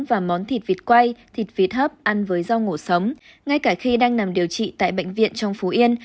và món thịt vịt quay thịt vịt hấp ăn với rau ngủ sống ngay cả khi đang nằm điều trị tại bệnh viện trong phú yên